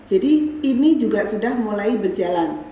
jadi ini juga sudah mulai berjalan